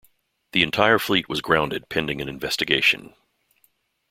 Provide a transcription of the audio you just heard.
The entire fleet was grounded pending an investigation.